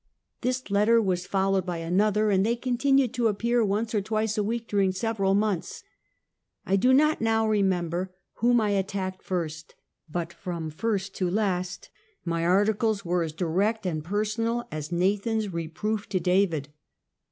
This letter was followed by another, and they continued to appear once or twice a week during sev eral months. I do not not remember whom I attacked first, but from first to last my articles were as direct and per sonal as Nathan's reproof to David.